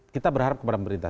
kita berharap kepada pemerintah